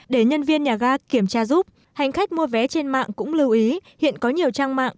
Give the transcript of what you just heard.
để nhân viên nhà ga kiểm tra giúp hành khách mua vé trên mạng cũng lưu ý hiện có nhiều trang mạng